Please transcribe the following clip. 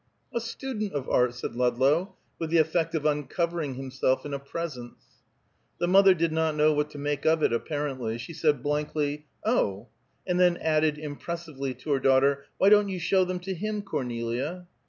"A student of art," said Ludlow, with the effect of uncovering himself in a presence. The mother did not know what to make of it apparently; she said blankly, "Oh!" and then added impressively, to her daughter: "Why don't you show them to him, Cornelia?"